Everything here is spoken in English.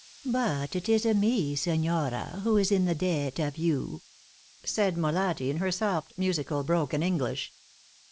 "But it is me, signora, who is in the debt of you," said Molatti, in her soft, musical, broken English.